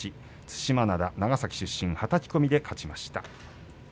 對馬洋、長崎出身はたき込みで勝ちました。